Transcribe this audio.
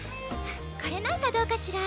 これなんかどうかしら？